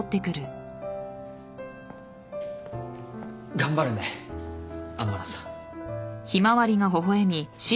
頑張るね天野さん。